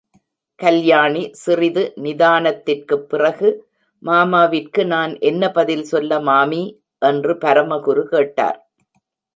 கல்யாணி சிறிது நிதானத்திற்குப் பிறகு மாமாவிற்கு நான் என்ன பதில் சொல்ல மாமி? என்று பரமகுரு கேட்டார்.